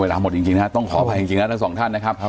เวลาหมดจริงต้องขออภัยจริงทั้งสองท่านนะครับ